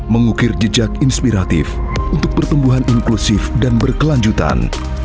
mengukir jejak inspiratif untuk pertumbuhan inklusif dan berkelanjutan